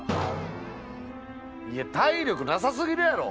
いや体力なさすぎるやろ！